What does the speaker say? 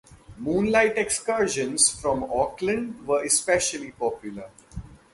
Moonlight excursions from Auckland were especially popular.